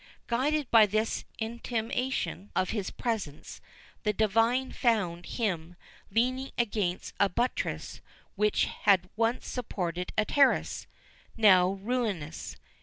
Guided by this intimation of his presence, the divine found him leaning against a buttress which had once supported a terrace, now ruinous.